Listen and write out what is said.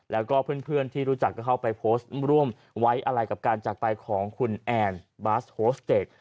แล้วก็เพื่อนที่รู้จักก็เข้าไปโพสต์ร่วมไว้อะไรกับการจากไปของคุณแอนบาสโฮสเตจ